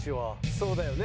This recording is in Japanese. そうだよね。